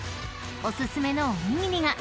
［お薦めのおにぎりが］